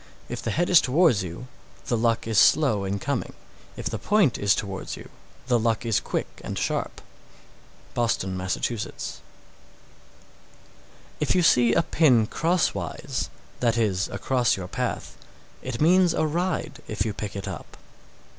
If the head is towards you, the luck is slow in coming; if the point is towards you, the luck is quick and sharp. Boston, Mass. 640. If you see a pin crosswise, that is, across your path, it means a ride if you pick it up.